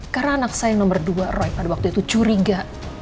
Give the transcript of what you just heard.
karena anak saya nomor dua roy pada waktu itu curiga